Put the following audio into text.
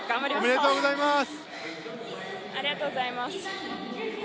おめでとうございます！